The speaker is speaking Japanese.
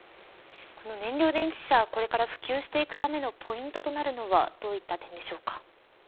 この燃料電池車がこれから普及していくためのポイントとなるのはどういった点でしょうか。